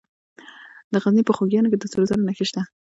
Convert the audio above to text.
د غزني په خوږیاڼو کې د سرو زرو نښې شته.